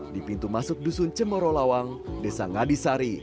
di pintu masuk dusun cemoro lawang desa ngadisari